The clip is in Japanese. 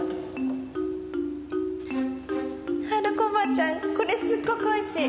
春子おばちゃんこれすっごくおいしい！